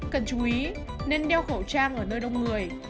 cần chú ý nên đeo khẩu trang ở nơi đông người